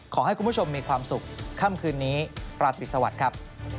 ขอให้คุณผู้ชมมีความสุขค่ำคืนนี้ประติดสวัสดิ์ครับ